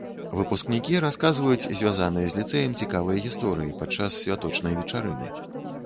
Выпускнікі расказваюць звязаныя з ліцэем цікавыя гісторыі падчас святочнай вечарыны.